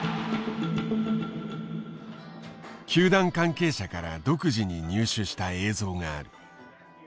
球団関係者から独自に入手した映像がある。